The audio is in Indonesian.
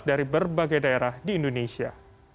dari berbagai daerah di indonesia